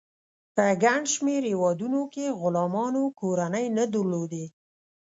په ګڼ شمیر هیوادونو کې غلامانو کورنۍ نه درلودې.